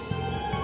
aku mengenal gurumu